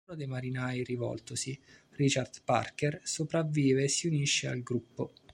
Uno dei marinai rivoltosi, Richard Parker, sopravvive e si unisce al gruppo.